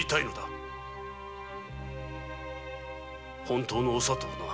本当のお里をな。